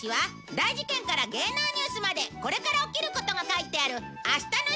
大事件から芸能ニュースまでこれから起きることが書いてある「あしたの新聞」